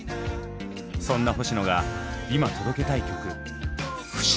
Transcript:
そんな星野が今届けたい曲「不思議」。